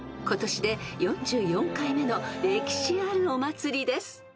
［今年で４４回目の歴史あるお祭りです］